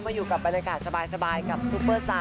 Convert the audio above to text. อยู่กับบรรยากาศสบายกับซุปเปอร์สตาร์